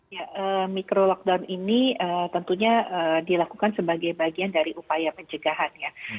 ya mikro lockdown ini tentunya dilakukan sebagai bagian dari upaya pencegahan ya